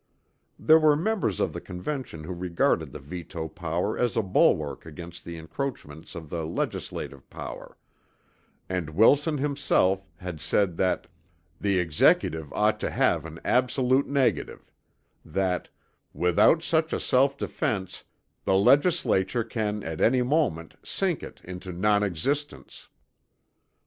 There were members of the Convention who regarded the veto power as a bulwark against the encroachments of the legislative power; and Wilson himself had said that, "the Executive ought to have an absolute negative"; that "without such a self defence the Legislature can at any moment sink it into non existence."